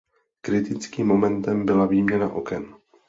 Kritickým momentem byla výměna oken.